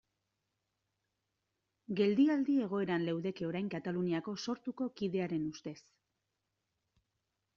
Geldialdi egoeran leudeke orain Katalunian Sortuko kidearen ustez.